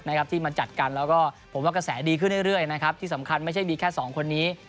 นะครับที่มาจัดกันแล้วก็ผมว่ากระแสดีขึ้นเรื่อยนะครับที่สำคัญไม่ใช่มีแค่สองคนนี้